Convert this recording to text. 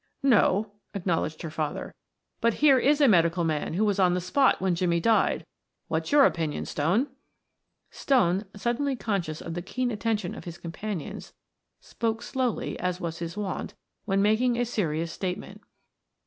"No," acknowledged her father. "But here is a medical man who was on the spot when Jimmie died. What's your opinion, Stone?" Stone, suddenly conscious of the keen attention of his companions, spoke slowly as was his wont when making a serious statement.